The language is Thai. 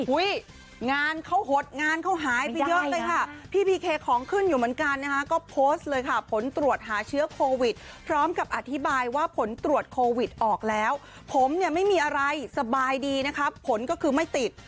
งานเขาหดงานเขาหายไปเยอะเลยค่ะพี่พีเคของขึ้นอยู่เหมือนกันนะคะก็โพสต์เลยค่ะผลตรวจหาเชื้อโควิดพร้อมกับอธิบายว่าผลตรวจโควิดออกแล้วผมเนี่ยไม่มีอะไรสบายดีนะคะผลก็คือไม่ติด